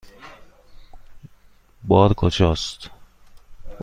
بار کجاست؟